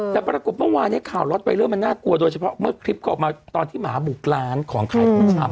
แต่ปรากฏเมื่อวานข่าวล็อตไวเลอร์มันน่ากลัวโดยเฉพาะเมื่อคลิปเขาออกมาตอนที่หมาบุกร้านของขายของชำ